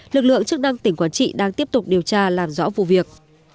lực lượng chức năng tỉnh quảng trị đang tiếp tục điều tra làm rõ vụ việc